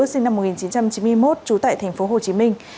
sinh năm một nghìn chín trăm chín mươi một trú tại thành phố hồ chí minh